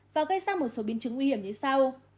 và gây ra một số biến chứng nguy hiểm như sau